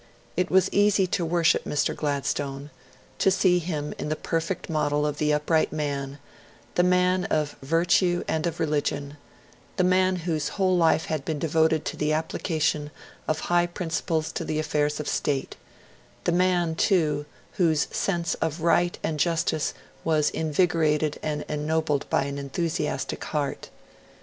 It was easy to worship Mr. Gladstone; to see in him the perfect model of the upright man the man of virtue and of religion the man whose whole life had been devoted to the application of high principles to affairs of State; the man, too, whose sense of right and justice was invigorated and ennobled by an enthusiastic heart.